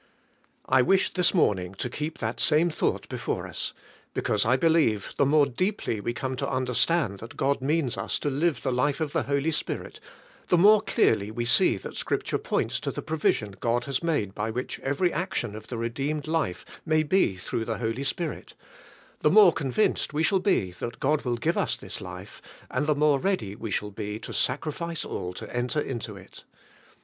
I wish this morning to keep that same thought before us; because I believe, the more deeply we come to understand that God means us to live the life of the Holy Spirit the more clearly we see that scripture points to the provision God has made by which ever}^ action of the redeemed life may be through the Holy Spirit, the more convinced we shall be that God will give us this life, a.nd the more ready we shall be to sacrifice all to enter into it.